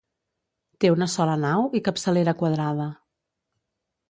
Té una sola nau i capçalera quadrada.